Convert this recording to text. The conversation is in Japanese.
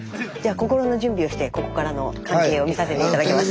心の準備をしてここからの関係を見させて頂きます。